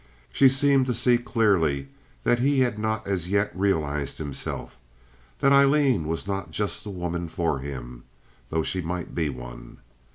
She seemed to see clearly that he had not as yet realized himself, that Aileen was not just the woman for him, though she might be one.